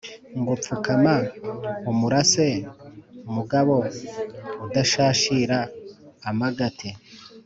ngo pfukama umurase mugabo udashashira amagate,